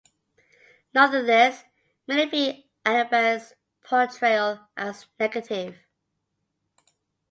Nonetheless, many view Allenby's portrayal as negative.